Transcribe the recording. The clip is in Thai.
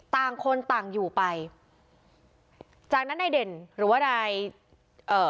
ต่างคนต่างอยู่ไปจากนั้นนายเด่นหรือว่านายเอ่อ